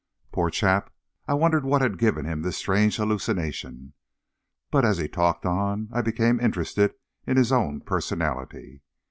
Poor chap. I wondered what had given him this strange hallucination. But as he talked on, I became interested in his own personality.